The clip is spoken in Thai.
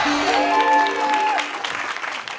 เท่าไหร่